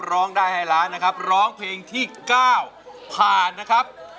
ร้องได้ให้ล้านนะครับร้องเพลงที่๙ผ่านนะครับ